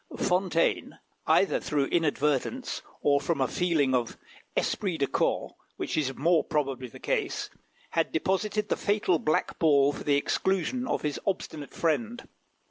Fontaine, either through inadvertence or from a feeling of esprit de corps, which is more probably the case, had deposited the fatal black ball for the exclusion of his obstinate friend.